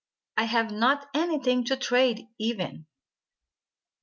I have not anything to trade, even."